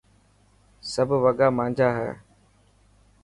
سب وڳا مانجا هي.